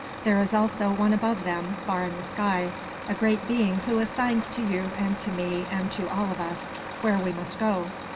There is also one above them, far in the sky, a Great Being who assigns to you and to me and to all of us, where we must go.